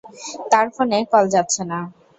তার ফোনে কল যাচ্ছে না।